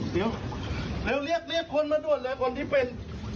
เดี๋ยวเรียกคนมาด่วนเลยคนที่เป็น